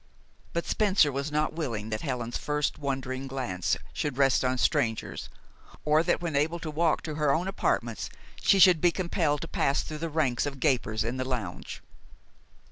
But Spencer was not willing that Helen's first wondering glance should rest on strangers, or that, when able to walk to her own apartments, she should be compelled to pass through the ranks of gapers in the lounge.